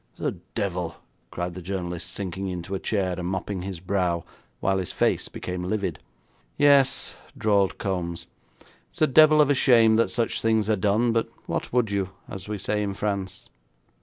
'The devil!' cried the journalist, sinking into a chair and mopping his brow, while his face became livid. 'Yes,' drawled Kombs, 'it is a devil of a shame that such things are done. But what would you? as we say in France.'